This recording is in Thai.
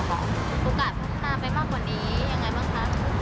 โอกาสพี่ต้าไปมากกว่านี้อย่างไรบ้างคะ